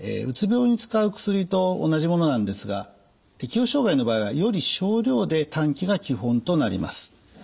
うつ病に使う薬と同じものなんですが適応障害の場合はより少量で短期が基本となります。